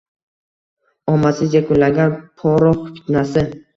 Omadsiz yakunlangan Porox fitnasi